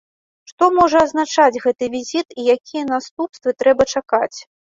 Што можа азначаць гэты візіт і якія наступствы трэба чакаць?